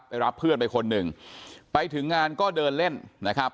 รับเพื่อนไปคนหนึ่งไปถึงงานก็เดินเล่นนะครับ